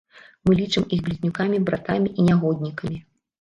Мы лічым іх блізнюкамі-братамі і нягоднікамі.